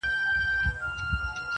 څه په هنر ريچي ـ ريچي راته راوبهيدې,